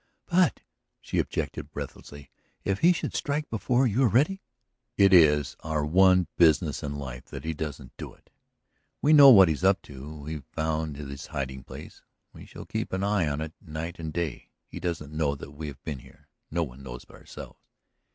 "But," she objected breathlessly, "if he should strike before you are ready?" "It is our one business in life that he doesn't do it. We know what he is up to; we have found this hiding place; we shall keep an eye on it night and day. He doesn't know that we have been here; no one knows but ourselves.